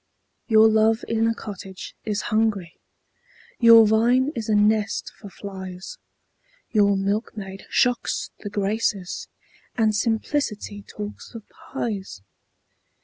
Your love in a cottage is hungry, Your vine is a nest for flies Your milkmaid shocks the Graces, And simplicity talks of pies!